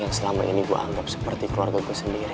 yang selama ini gue anggap seperti keluarga gue sendiri